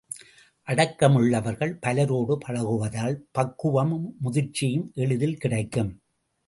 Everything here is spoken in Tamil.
அடக்கமுள்ளவர்கள் பலரோடு பழகுவதால் பக்குவமும் முதிர்ச்சியும் எளிதில் கிடைக்கும்.